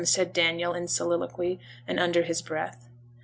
said Daniel, in soliloquy, and under his breath.